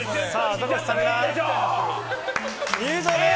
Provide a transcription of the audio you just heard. ザコシさんが入場です！